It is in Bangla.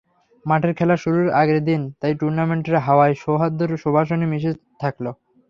মাঠের খেলা শুরুর আগের দিন তাই টুর্নামেন্টের হাওয়ায় সৌহার্দ্যের সুবাসই মিশে থাকল।